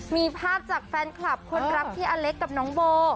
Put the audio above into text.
มีภาพจากแฟนคลับคนรักพี่อเล็กกับน้องโบ